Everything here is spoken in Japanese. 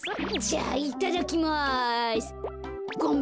じゃあいただきます。